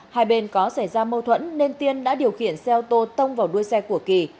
hai bên có xảy ra mâu thuẫn nên tiên đã điều khiển xe ô tô tông vào đuôi xe của kỳ